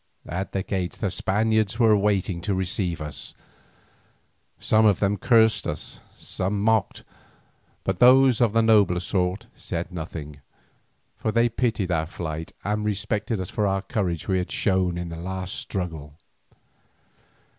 At the gates the Spaniards were waiting to receive us. Some of them cursed us, some mocked, but those of the nobler sort said nothing, for they pitied our plight and respected us for the courage we had shown in the last struggle.